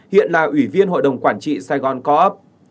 hiện là ủy viên hội đồng quản trị sài gòn co op